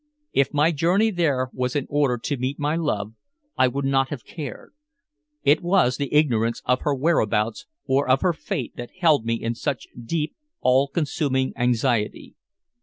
If my journey there was in order to meet my love, I would not have cared. It was the ignorance of her whereabouts or of her fate that held me in such deep, all consuming anxiety.